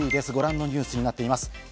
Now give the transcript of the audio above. ご覧のニュースになっています。